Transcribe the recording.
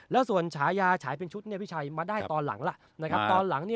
แล้วส่วนฉายาฉายเป็นชุดพี่ชัยมาได้ตอนหลังล่ะตอนหลัง